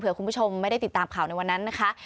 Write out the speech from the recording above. คุณผู้ชมไม่ได้ติดตามข่าวในวันนั้นนะคะ